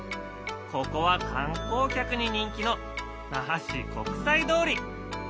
ここは観光客に人気の那覇市国際通り。